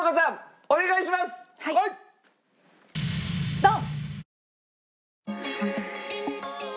ドン！